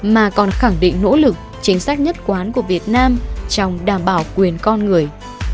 mà còn khẳng định nỗ lực chính sách nhất quán của việt nam trong đảm bảo quyền con người